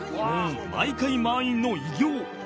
毎回満員の偉業